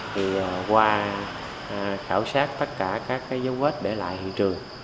thì qua khảo sát tất cả các dấu vết để lại hiện trường